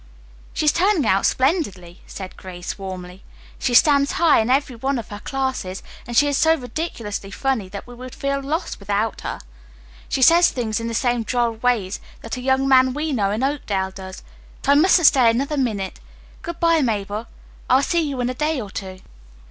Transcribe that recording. "She is turning out splendidly," said Grace warmly. "She stands high in every one of her classes, and she is so ridiculously funny that we would feel lost without her. She says things in the same droll way that a young man we know in Oakdale does. But I mustn't stay another minute. Good bye, Mabel, I'll see you in a day or two."